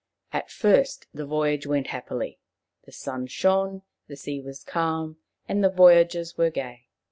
At first the voyage went happily. The sun shone, the sea was calm, the voyagers were gay.